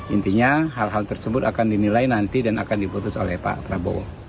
intinya hal hal tersebut akan dinilai nanti dan akan diputus oleh pak prabowo